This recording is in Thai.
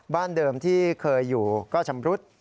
เดิมที่เคยอยู่ก็ชำรุด